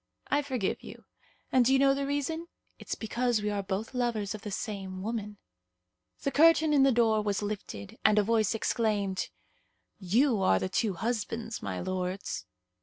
I forgive you; and do you know the reason? It's because we are both lovers of the same woman." The curtain in the door was lifted, and a voice exclaimed, "You are the two husbands, my lords."